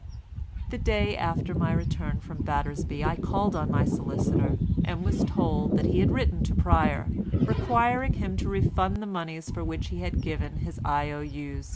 The day after my return from Battersby I called on my solicitor, and was told that he had written to Pryer, requiring him to refund the monies for which he had given his I.O.U.'s.